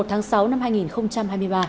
một mươi một tháng sáu năm hai nghìn hai mươi ba